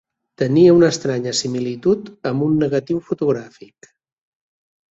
Tenia una estranya similitud amb un negatiu fotogràfic.